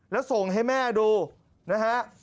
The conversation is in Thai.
แล้วส่งให้แม่ดูนะฮะ